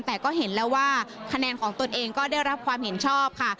แต่ก็เห็นแล้วว่าคะแนนของตนเองก็ได้รับความเห็นชอบค่ะ